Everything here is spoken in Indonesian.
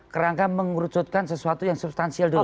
kerangka mengurucutkan sesuatu yang substansial dulu